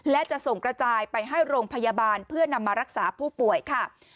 และจะส่งกระจายไปให้โรงพยาบาลเพื่อนำมารักษาผู้ป่วยค่ะ